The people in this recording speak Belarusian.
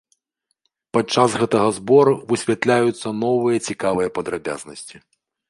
Падчас гэтага збору высвятляюцца новыя цікавыя падрабязнасці.